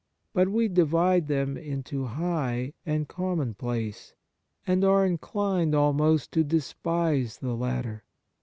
But we divide them into high and commonplace, and are inclined almost to despise the latter.